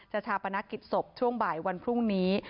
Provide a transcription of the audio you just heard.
ชาปนกิจศพช่วงบ่ายวันพรุ่งนี้